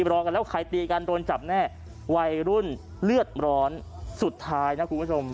รอกันแล้วใครตีกันโดนจับแน่วัยรุ่นเลือดร้อนสุดท้ายนะคุณผู้ชม